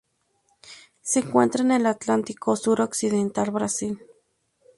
Se encuentra en el Atlántico suroccidental: Brasil.